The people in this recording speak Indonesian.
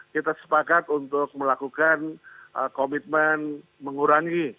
kita sepakat untuk melakukan komitmen mengurangi